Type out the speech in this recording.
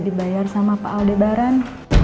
dibayar sama pak aldebaran